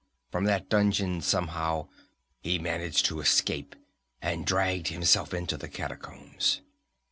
From that dungeon, somehow, he managed to escape, and dragged himself into the catacombs.